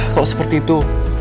kalau seperti itu